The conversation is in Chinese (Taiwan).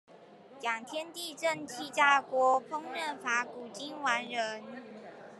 養天地正氣炸鍋，烹飪法古今完人